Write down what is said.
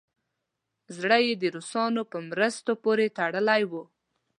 زړه یې د روسانو په مرستو پورې تړلی وو.